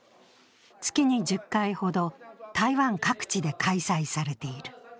月に１０回ほど台湾各地で開催されている。